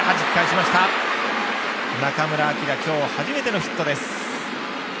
中村晃、今日初めてのヒットです。